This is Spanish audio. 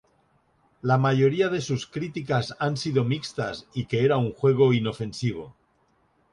La mayoría de sus críticas han sido mixtas y que era un juego inofensivo.